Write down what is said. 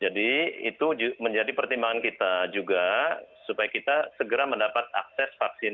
jadi itu menjadi pertimbangan kita juga supaya kita segera mendapat akses vaksin